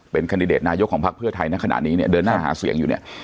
เป็นคันดิเดตนายกของพักเพื่อไทยในขณะนี้เนี่ยเดินหน้าหาเสียงอยู่เนี่ย